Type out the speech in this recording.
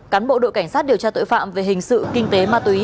cán bộ đội cảnh sát điều tra tội phạm về hình sự kinh tế ma túy